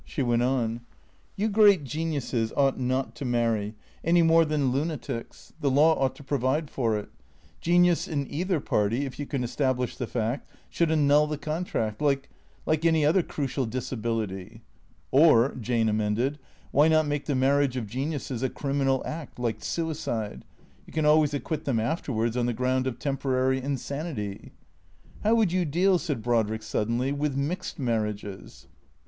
She went on. " You great geniuses ought not to marry, any more than luna tics. The law ought to provide for it. Genius, in either party, if you can establish the fact, should annul the contract, like — like any other crucial disability." " Or," Jane amended, " why not make the marriage of geniuses a criminal act, like suicide ? You can always acquit them after wards on the ground of temporary insanity." " How would you deal," said Brodrick suddenly, " with mixed marriages